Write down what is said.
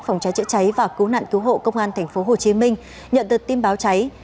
phòng cháy chữa cháy và cứu nạn cứu hộ công an tp hcm nhận được tin báo cháy